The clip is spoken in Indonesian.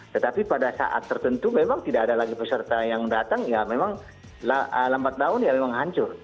tetapi pada saat tertentu memang tidak ada lagi peserta yang datang ya memang lambat daun ya memang hancur